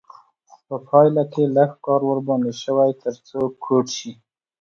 په پایله کې لږ کار ورباندې شوی تر څو کوټ شي.